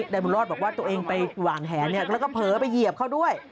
นายบุญรอดบอกว่าตัวเองไปหวานแหแล้วก็เผลอไปเหยียบเขาด้วย